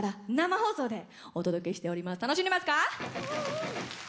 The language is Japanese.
楽しんでますか？